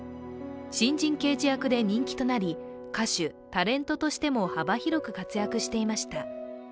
新人刑事役で人気となり歌手・タレントとしても幅広く活躍していました。